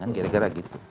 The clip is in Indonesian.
yang kira kira gitu